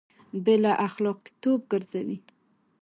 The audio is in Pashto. بې له اخلاقي توب ګرځوي